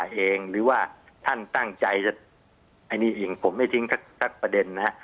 เองหรือว่าท่านตั้งใจจะอันนี้เองผมไม่ทิ้งสักประเด็นนะฮะ